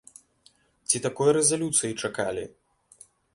Ці такой рэзалюцыі чакалі?